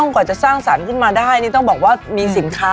ไม่ใช่แค่ไอเดียอย่างเดียวฝีมือ